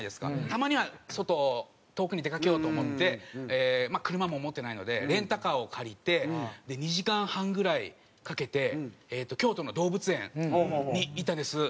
たまには外遠くに出かけようと思って車も持ってないのでレンタカーを借りて２時間半ぐらいかけて京都の動物園に行ったんです。